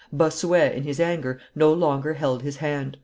Bossuet, in his anger, no longer held his hand.